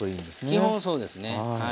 基本そうですね。